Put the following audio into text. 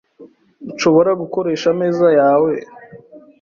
Nshobora gukoresha ameza yawe?